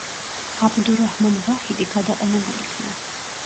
აბდურაჰმან ვაჰიდი გადაყენებულ იქნა.